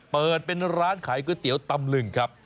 เปิดเป็นร้านขายก๋วยเตี๋ยวตำลึงครับ